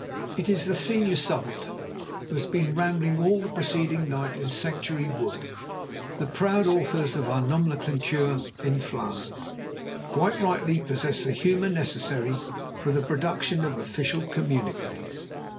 It is the senior subaltern, who has been rambling all the preceding night in Sanctuary Wood — the proud authors of our nomenclature in Flanders quite rightly possess the humour necessary for the production of official communiques.